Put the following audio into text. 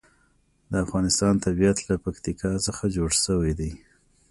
د افغانستان طبیعت له پکتیکا څخه جوړ شوی دی.